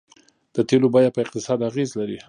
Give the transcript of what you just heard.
د تیلو بیه په اقتصاد اغیز لري.